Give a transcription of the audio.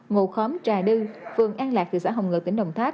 ngụ khóm trà đư phường an lạc thị xã hồng lợi tỉnh đồng tháp